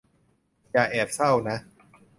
อย่าแอบเศร้านะ